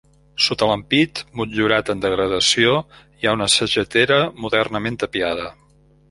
Sota l'ampit, motllurat en degradació, hi ha una sagetera modernament tapiada.